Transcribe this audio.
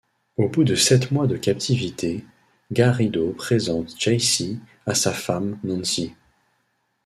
Au bout de sept mois de captivité, Garrido présente Jaycee à sa femme, Nancy.